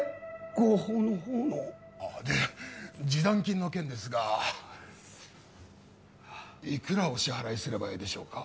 合法のほうの？で示談金の件ですがいくらお支払いすればええでしょうか？